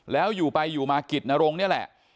แล้วอยู่ไปอยู่มากิจนรงนี่แหละ